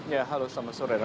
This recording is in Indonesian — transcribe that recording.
ya halo selamat sore